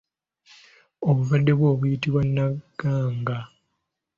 Obulwadde obwo buyitibwa naganga.